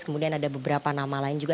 kemudian ada beberapa nama lain juga